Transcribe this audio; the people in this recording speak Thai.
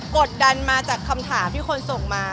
กดดันมาจากคำถามที่คนส่งมา